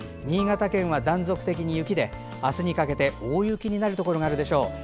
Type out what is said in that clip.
新潟県は断続的に雪であすにかけて大雪になるところがあるでしょう。